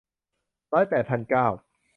ร้อยแปดพันเก้า